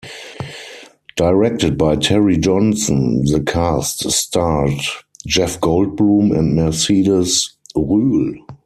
Directed by Terry Johnson, the cast starred Jeff Goldblum and Mercedes Ruehl.